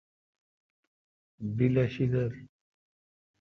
بیل اؘ شیدل۔